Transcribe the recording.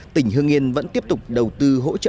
tỉnh hương yên vẫn tiếp tục sử dụng mật ong hoa nhãn